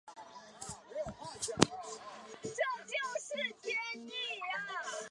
箭杆杨为杨柳科杨属下的一个变种。